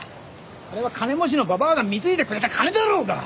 あれは金持ちのババアが貢いでくれた金だろうが！